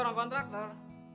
beliau kan seorang kontraktor